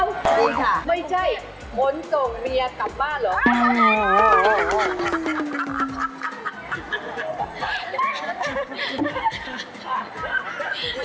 น่ารักมากเลย